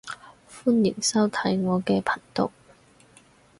歡迎收睇我嘅頻道